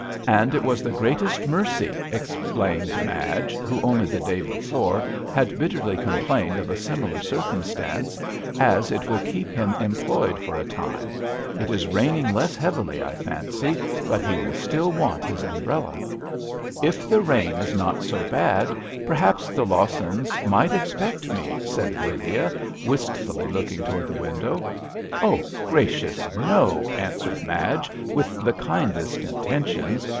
And it Was the greatest mercy," ex A RAINY DAY. 139 plained Madge, who only the day before had bitterly com plained of a similar circumstance, ''as it will keep him employed for a time. It is raining less heavily, I fancy, but he will still want his umbrella." ''If the rain is not so bad perhaps the Lawsons might expect me/' said Lydia, wistfully looking towards the window. " Oh, gracious I no," answered Madge, with the kindest inten tions.